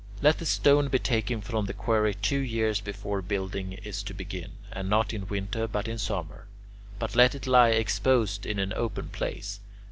Let the stone be taken from the quarry two years before building is to begin, and not in winter but in summer. Then let it lie exposed in an open place.